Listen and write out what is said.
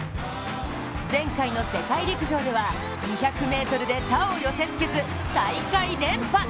前回の世界陸上では２００ｍで他を寄せつけず大会連覇。